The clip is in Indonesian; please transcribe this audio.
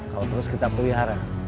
kalau terus kita perihara